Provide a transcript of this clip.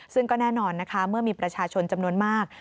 ซึ่งก็แน่นอนนะคะเมื่อมีประชาชนจำนวนมาก